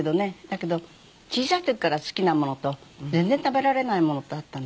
だけど小さい時から好きなものと全然食べられないものってあったんですよ。